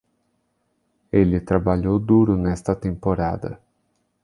Ele trabalhou duro nesta temporada.